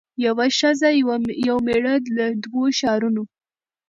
یوه ښځه یو مېړه له دوو ښارونو